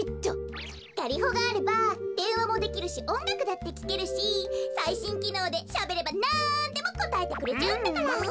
ガリホがあればでんわもできるしおんがくだってきけるしさいしんきのうでしゃべればなんでもこたえてくれちゃうんだから！